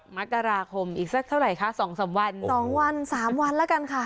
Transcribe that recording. มกราคมอีกสักเท่าไหร่คะสองสามวันสองวันสามวันแล้วกันค่ะ